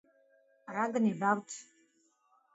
რა გნებავთ